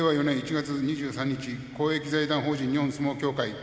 ４年１月２３日公益財団法人日本相撲協会